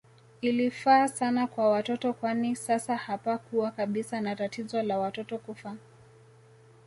Ilifaa sana kwa watoto kwani sasa hapakuwa kabisa na tatizo la watoto kufa